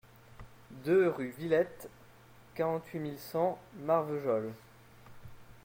deux rue Villette, quarante-huit mille cent Marvejols